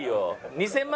２０００万